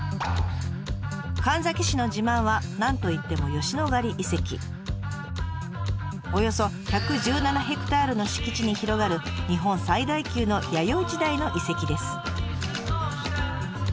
神埼市の自慢はなんといってもおよそ１１７ヘクタールの敷地に広がる日本最大級の弥生時代の遺跡です。